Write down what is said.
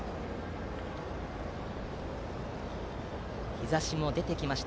日ざしも出てきました。